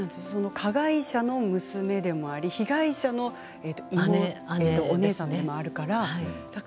加害者の娘でもあり被害者のお姉さんでもあるから。